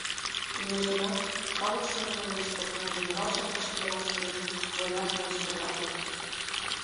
Лиеш гынат, калык шӱдымӧ деч посна генерал-шамыч шке ойышт дене войнам ынышт тарвате.